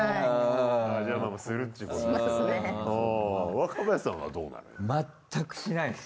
若林さんはどうなの？